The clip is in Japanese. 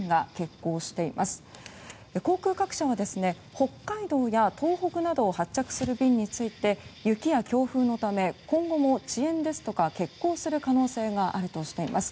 航空各社は、北海道や東北などを発着する便について雪や強風のため今後も遅延ですとか、欠航する可能性があるとしています。